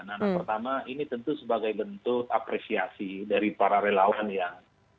nah pertama ini tentu sebagai bentuk apresiasi dari para relawan yang